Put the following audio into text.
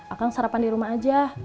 akan sarapan di rumah aja